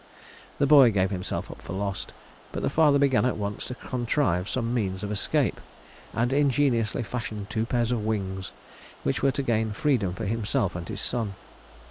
The boy gave himself up for lost, but the father began at once to contrive some means of escape, and ingeniously fashioned two pairs of wings, which were to gain freedom for himself and his son.